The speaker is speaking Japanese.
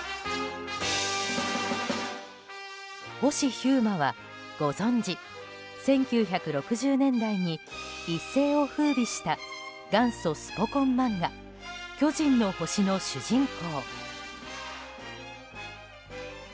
星飛雄馬は、ご存じ１９６０年代に一世を風靡した元祖スポコン漫画「巨人の星」の主人公。